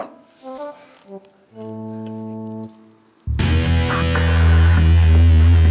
tunggu sebentar ya